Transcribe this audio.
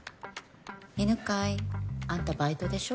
犬飼あんたバイトでしょ。